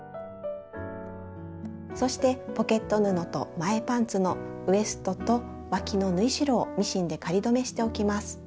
そしてポケット布と前パンツのウエストとわきの縫い代をミシンで仮留めしておきます。